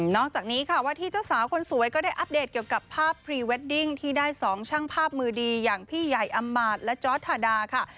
จากนี้ค่ะว่าที่เจ้าสาวคนสวยก็ได้อัปเดตเกี่ยวกับภาพพรีเวดดิ้งที่ได้๒ช่างภาพมือดีอย่างพี่ใหญ่อำมาตย์และจอร์ดทาดาค่ะ